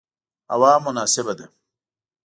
هوا مناسبه ده